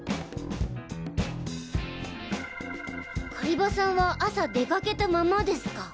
狩場さんは朝出かけたままですか？